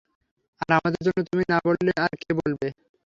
আর আমাদের জন্য তুমি না বললে আর কে বলবে?